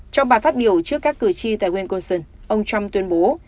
trong bài phát biểu trước các cử tri tại quyên côn sơn ông trump tuyên bố